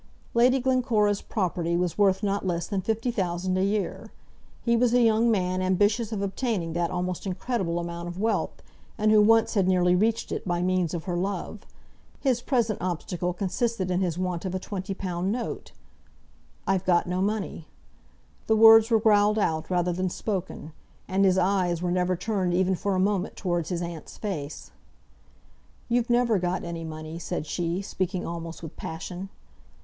Lady Glencora's property was worth not less than fifty thousand a year. He was a young man ambitious of obtaining that almost incredible amount of wealth, and who once had nearly reached it, by means of her love. His present obstacle consisted in his want of a twenty pound note! "I've got no money." The words were growled out rather than spoken, and his eyes were never turned even for a moment towards his aunt's face. "You've never got any money," said she, speaking almost with passion.